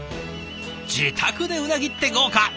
自宅でうなぎって豪華！